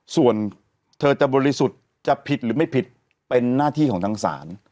ส่วนเธอจะบริสุทธิ์จะผิดหรือไม่ผิดเป็นหน้าที่ของทางศาล